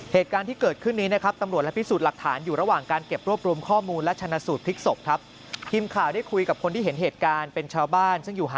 เหตุการณ์ที่เกิดขึ้นนี้ตำรวจและพิสูจน์หลักฐาน